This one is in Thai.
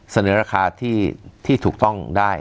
เสนอราคาที่ถูกต้องได้